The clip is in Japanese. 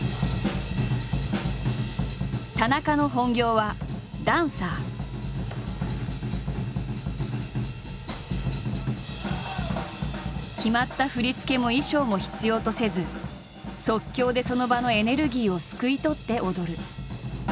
田中の本業は決まった振り付けも衣装も必要とせず即興でその場のエネルギーをすくい取って踊る。